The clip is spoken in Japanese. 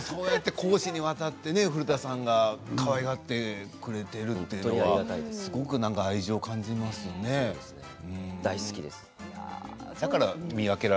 公私にわたって古田さんがかわいがってくれているというのは大好きです。